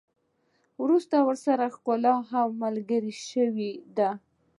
وروسته ورسره ښکلا هم ملګرې شوې ده.